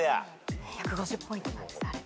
１５０ポイントなんですあれ。